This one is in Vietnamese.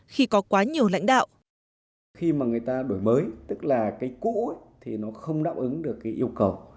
khi mà người ta đổi mới tức là cái cũ thì nó không đạo ứng được cái yêu cầu